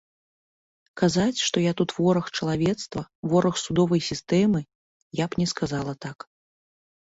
Казаць, што я тут вораг чалавецтва, вораг судовай сістэмы, я б не сказала так.